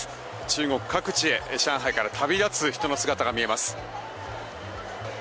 中国各地へ上海から旅立つ人の姿が見えます。